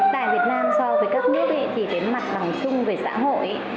tại việt nam so với các nước thì cái mặt bằng chung về xã hội